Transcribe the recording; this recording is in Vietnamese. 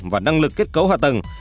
và năng lực kết cấu hạ tầng